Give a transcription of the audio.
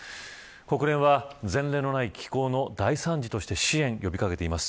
国連は前例のない気候の大惨事として支援を呼び掛けています。